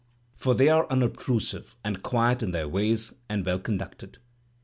For they are unobtrusive, and quiet in their ways, and well conducted.